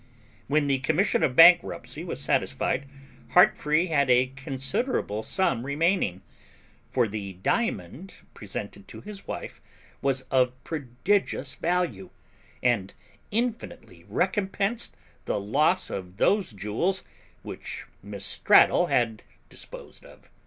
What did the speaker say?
When the commission of bankruptcy was satisfied, Heartfree had a considerable sum remaining; for the diamond presented to his wife was of prodigious value, and infinitely recompensed the loss of those jewels which Miss Straddle had disposed of.